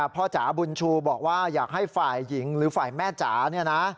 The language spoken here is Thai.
จ๋าบุญชูบอกว่าอยากให้ฝ่ายหญิงหรือฝ่ายแม่จ๋าเนี่ยนะ